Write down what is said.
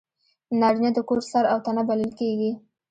نارینه د کور سر او تنه بلل کېږي.